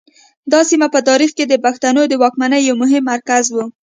دا سیمه په تاریخ کې د پښتنو د واکمنۍ یو مهم مرکز و